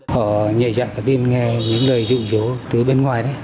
họ nhảy dạng cái tin nghe những lời dụ dố từ bên ngoài đấy